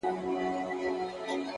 هوډ د وېرې بندونه ماتوي